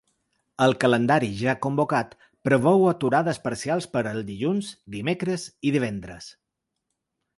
El calendari ja convocat preveu aturades parcials per al dilluns, dimecres i divendres.